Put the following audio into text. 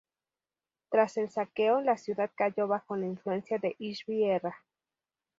Tras el saqueo, la ciudad cayó bajo la influencia de Ishbi-Erra.